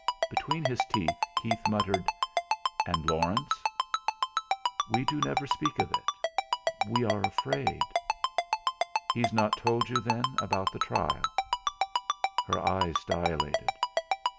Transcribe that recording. Between his teeth Keith muttered: "And Laurence?" "We do never speak of it, we are afraid." "He's not told you, then, about the trial?" Her eyes dilated.